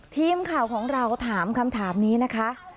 ทีมข่าวของเราถามคำถามนี้นะคะ